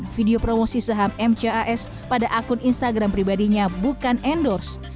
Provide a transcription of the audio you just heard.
video promosi saham mcas pada akun instagram pribadinya bukan endorse